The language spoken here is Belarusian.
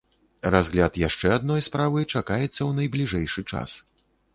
Разгляд яшчэ адной справы чакаецца ў найбліжэйшы час.